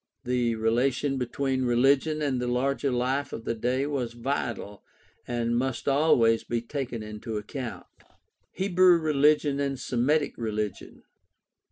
The rela tion between religion and the larger life of the day was vital and must always be taken into account. Hebrew religion and Semitic religion.